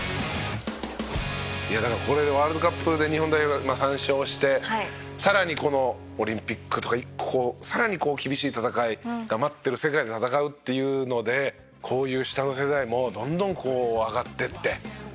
だからこれでワールドカップで日本代表が３勝してさらにこのオリンピックとか一個さらに厳しい戦いが待ってる世界で戦うっていうのでこういう。